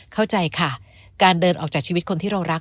เข้าใจค่ะการเดินออกจากชีวิตคนที่เรารัก